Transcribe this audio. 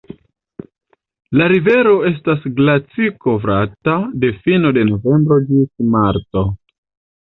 La rivero estas glacikovrata de fino de novembro ĝis marto.